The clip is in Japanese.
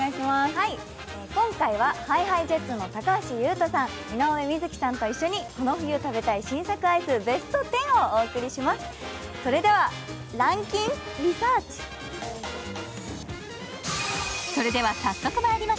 今回はＨｉＨｉＪｅｔｓの高橋優斗さん井上瑞稀さんと一緒に、この冬食べたい新作アイス、ベスト１０をお送りいたします。